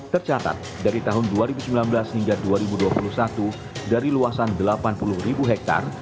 tercatat dari tahun dua ribu sembilan belas hingga dua ribu dua puluh satu dari luasan delapan puluh ribu hektare